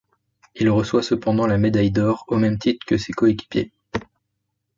Il reçoit cependant la médaille d'or au même titre que ses coéquipiers.